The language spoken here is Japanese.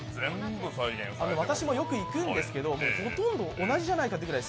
私もよく行くんですけどほとんど同じじゃないかというくい